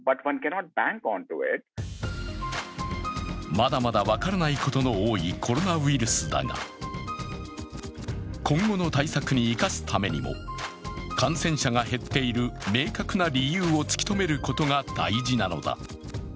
まだまだ分からないことの多いコロナウイルスだが、今後の対策に生かすためにも感染者が減っている明確な理由を突き止めることが大事なのだ。